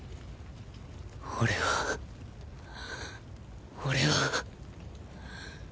俺は俺は。